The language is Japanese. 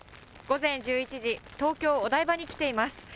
午前１１時、東京・お台場に来ています。